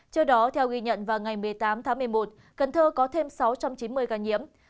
trước đó theo ghi nhận vào ngày một mươi tám tháng một mươi một cần thơ có thêm sáu trăm chín mươi ca nhiễm